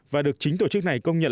và được chính tổ chức này công nhận